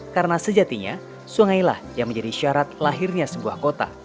karena sejatinya sungailah yang menjadi syarat lahirnya sebuah kota